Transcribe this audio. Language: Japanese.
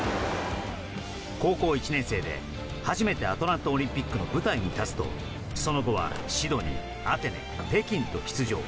高校１年生で初めてアトランタオリンピックの舞台に立つとその後はシドニー、アテネ北京と出場。